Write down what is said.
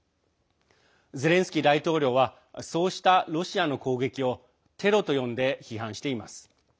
ゼレンスキー大統領はそうしたロシアの攻撃をテロと呼んで批判しています。